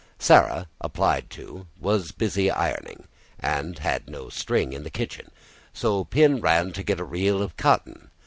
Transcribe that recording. Sarah, applied to, was busy ironing, and had no string in the kitchen, so Pin ran to get a reel of cotton.